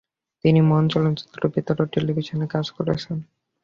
তিনি মঞ্চ, চলচ্চিত্র, বেতার ও টেলিভিশনে কাজ করেছেন।